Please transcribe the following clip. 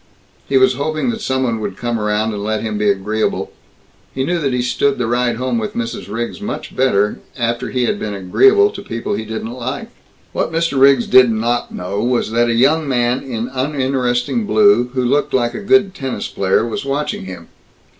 He was hoping that some one would come around and let him be agreeable. He knew that he stood the ride home with Mrs. Riggs much better after he had been agreeable to people he didn't like. What Mr. Riggs did not know was that a young man in uninteresting blue, who looked like a good tennis player, was watching him.